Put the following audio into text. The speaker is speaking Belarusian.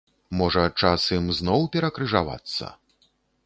Можа, час ім зноў перакрыжавацца?